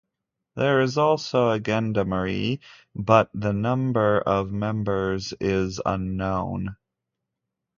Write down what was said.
There is also a Gendarmerie, but the number of members is unknown.